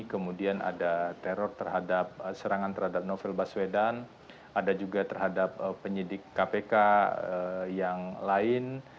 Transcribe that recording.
kemudian ada teror terhadap serangan terhadap novel baswedan ada juga terhadap penyidik kpk yang lain